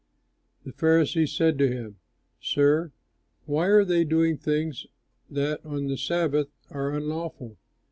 The Pharisees said to him, "Sir, why are they doing things that on the Sabbath are unlawful?"